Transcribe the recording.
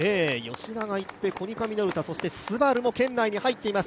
吉田が行って、コニカミノルタ、そしてＳＵＢＡＲＵも圏内に入っています。